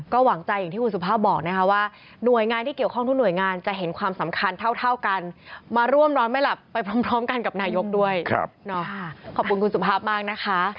หวังใจอย่างที่คุณสุภาพบอกนะคะว่าหน่วยงานที่เกี่ยวข้องทุกหน่วยงานจะเห็นความสำคัญเท่ากันมาร่วมนอนไม่หลับไปพร้อมกันกับนายกด้วยขอบคุณคุณสุภาพมากนะคะ